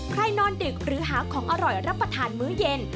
นอนดึกหรือหาของอร่อยรับประทานมื้อเย็น